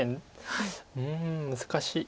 うん難しい。